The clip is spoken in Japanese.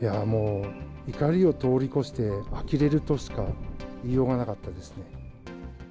もう、怒りを通り越して、あきれるとしか言いようがなかったです